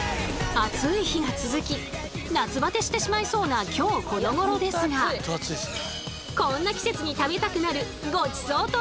暑い日が続き夏バテしてしまいそうな今日このごろですがこんな季節に食べたくなるごちそうといえば。